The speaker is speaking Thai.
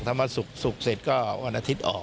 ถ้าวันศุกร์เสร็จก็วันอาทิตย์ออก